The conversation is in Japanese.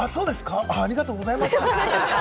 ありがとうございます。